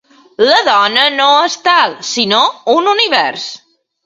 La dona no és tal, sinó un univers.